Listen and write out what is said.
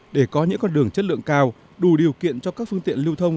để có những con đường chất lượng cao đủ điều kiện cho các phương tiện lưu thông